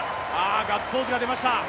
ガッツポーズが出ました。